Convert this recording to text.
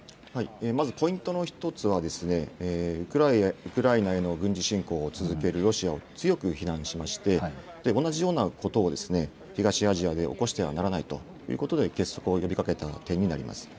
まずポイントの１つは、ウクライナへの軍事侵攻を続けるロシアを強く非難しまして、同じようなことを東アジアで起こしてはならないということで、結束を呼びかけた点になります。